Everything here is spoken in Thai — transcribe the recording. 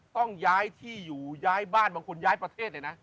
ต้องย้ายที่อยู่ย้ายบ้านบางคนย้ายประเทศเลยนะ